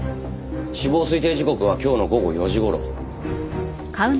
死亡推定時刻は今日の午後４時頃。